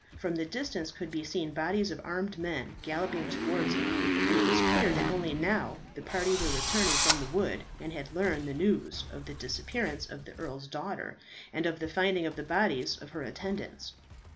From the distance could be seen bodies of armed men galloping towards it, and it was clear that only now the party were returning from the wood, and had learned the news of the disappearance of the Earl's daughter, and of the finding of the bodies of her attendants.